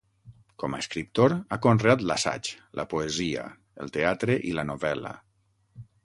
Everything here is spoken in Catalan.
Com a escriptor, ha conreat l’assaig, la poesia, el teatre i la novel·la.